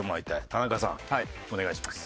田中さんお願いします。